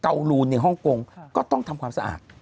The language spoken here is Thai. ลูนในฮ่องกงก็ต้องทำความสะอาด